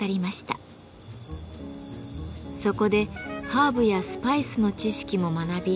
そこでハーブやスパイスの知識も学び